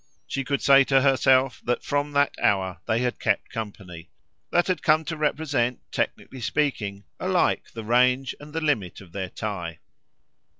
She could say to herself that from that hour they had kept company: that had come to represent, technically speaking, alike the range and the limit of their tie.